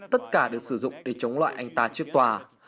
tất cả được sử dụng để chống lại anh ta trước tòa